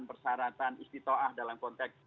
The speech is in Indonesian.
persyaratan istiqaah dalam konteks